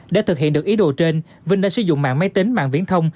để thực hiện được ý đồ trên vinh đã sử dụng mạng máy tính mạng viễn thông